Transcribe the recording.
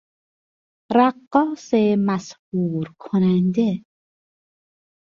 رقاص مسحور کننده